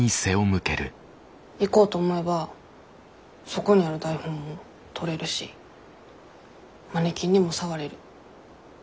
行こうと思えばそこにある台本も取れるしマネキンにも触れる。